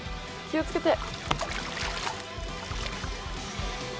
気を付けて。